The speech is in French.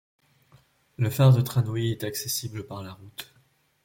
Le phare de Tranøy est accessible par la route.